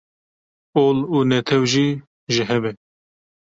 Ol û netew jî ji hev e.